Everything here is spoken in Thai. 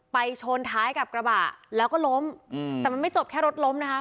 ชนท้ายกับกระบะแล้วก็ล้มอืมแต่มันไม่จบแค่รถล้มนะคะ